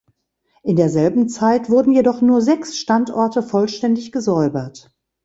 In derselben Zeit wurden jedoch nur sechs Standorte vollständig gesäubert.